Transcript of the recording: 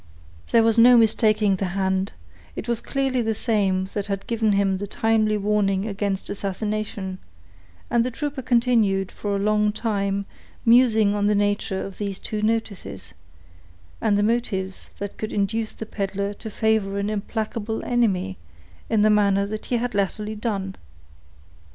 _ There was no mistaking the hand; it was clearly the same that had given him the timely warning against assassination, and the trooper continued, for a long time, musing on the nature of these two notices, and the motives that could induce the peddler to favor an implacable enemy in the manner that he had latterly done.